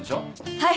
はい。